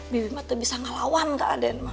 bibi mah tebisa ngelawan ke aden mah